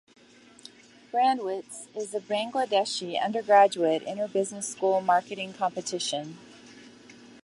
Brandwitz is a Bangladeshi undergraduate inter-business school marketing competition.